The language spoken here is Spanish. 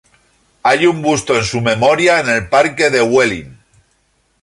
Hay un busto en su memoria en el Parque de Huelin.